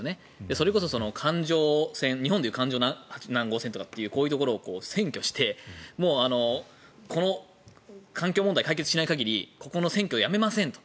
それこそ環状線、日本でいう環状何号線というところをこういうところを占拠してこの環境問題が解決しない限りここの占拠をやめませんと。